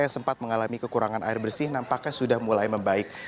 yang sempat mengalami kekurangan air bersih nampaknya sudah mulai membaik